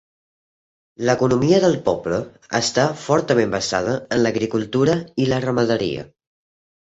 L'economia del poble està fortament basada en l'agricultura i la ramaderia.